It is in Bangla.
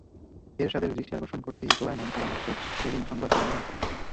এরশাদের দৃষ্টি আকর্ষণ করতেই সোলায়মান আলম শেঠ ওইদিন সংবাদ সম্মেলন করেন।